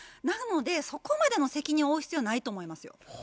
なのでそこまでの責任を負う必要はないと思いますよ。